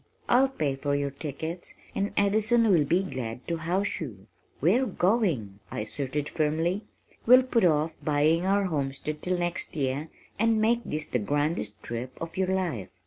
I'll pay for your tickets and Addison will be glad to house you. We're going!" I asserted firmly. "We'll put off buying our homestead till next year and make this the grandest trip of your life."